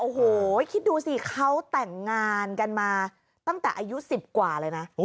โอ้โหคิดดูสิเขาแต่งงานกันมาตั้งแต่อายุ๑๐กว่าเลยนะ